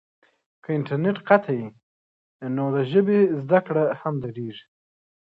که انټرنیټ قطع وي نو د ژبې زده کړه هم درېږي.